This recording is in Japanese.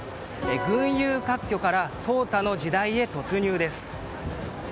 群雄割拠から淘汰の時代へ突入です。